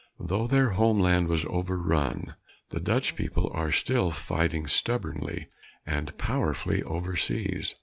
Though their homeland was overrun, the Dutch people are still fighting stubbornly and powerfully overseas.